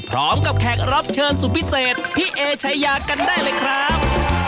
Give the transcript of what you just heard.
พร้อมกับแขกรับเชิญสุดพิเศษพี่เอ๋ชัยากันได้เลยครับ